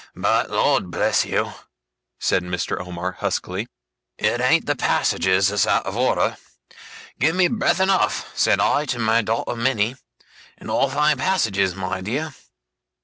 But, Lord bless you,' said Mr. Omer, huskily, 'it ain't the passages that's out of order! "Give me breath enough," said I to my daughter Minnie, "and I'll find passages, my dear."